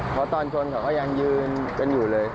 เพราะตอนชนเขาก็ยังยืนกันอยู่เลย